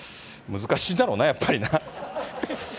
難しいんだろうな、やっぱりな。